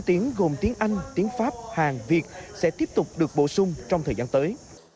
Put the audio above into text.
tiếng gồm tiếng anh tiếng pháp hàng việt sẽ tiếp tục được bổ sung trong thời gian tới